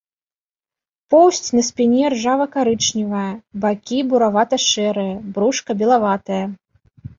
Поўсць на спіне ржава-карычневая, бакі буравата-шэрыя, брушка белаватае.